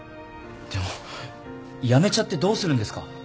でも辞めちゃってどうするんですか？